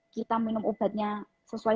kita minum obatnya sesuai